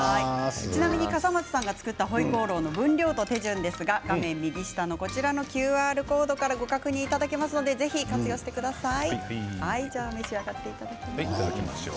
笠松さんが作ったホイコーローの分量と手順ですが画面右下のＱＲコードからご確認いただけますのでぜひ活用してください。